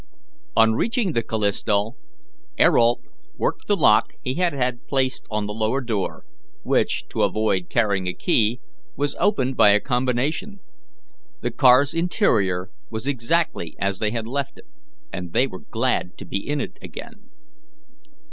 On reaching the Callisto, Ayrault worked the lock he had had placed on the lower door, which, to avoid carrying a key, was opened by a combination. The car's interior was exactly as they had left it, and they were glad to be in it again.